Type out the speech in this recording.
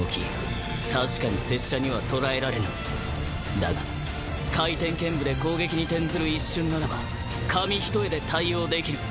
だがな回天剣舞で攻撃に転ずる一瞬ならば紙一重で対応できる。